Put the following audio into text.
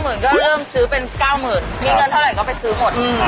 มีเงินเท่าไรก็ไปซื้อหมด